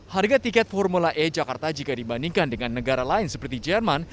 harga tiket formula e jakarta jika dibandingkan dengan negara lain seperti jerman